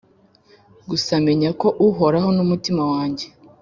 gusa menya ko uhora mumutima wanjye